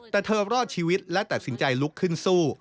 แต่เธอรอดชีวิตและตัดสินใจลุกขึ้นสู้